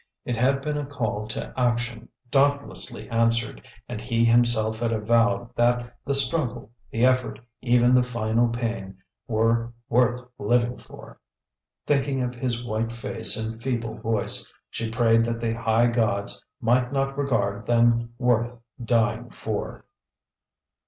It had been a call to action, dauntlessly answered, and he himself had avowed that the struggle, the effort, even the final pain, were "worth living for!" Thinking of his white face and feeble voice, she prayed that the high gods might not regard them worth dying for.